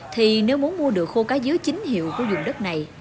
thì nếu muốn mua được khô cá dứa chính hiệu của dùng đất này